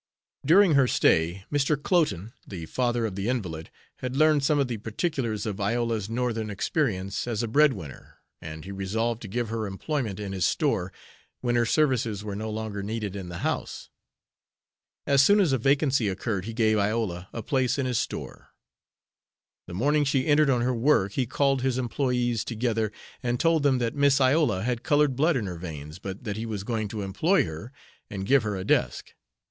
During her stay, Mr. Cloten, the father of the invalid, had learned some of the particulars of Iola's Northern experience as a bread winner, and he resolved to give her employment in his store when her services were no longer needed in the house. As soon as a vacancy occurred he gave Iola a place in his store. The morning she entered on her work he called his employés together, and told them that Miss Iola had colored blood in her veins, but that he was going to employ her and give her a desk.